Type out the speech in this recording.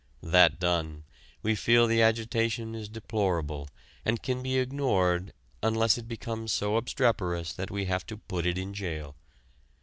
That done, we feel the agitation is deplorable and can be ignored unless it becomes so obstreperous that we have to put it in jail.